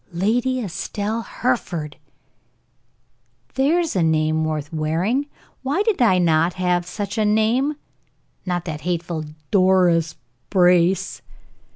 "Lady Estelle Hereford! There's a name worth wearing! Why did not I have such a name not that hateful Doris Brace!"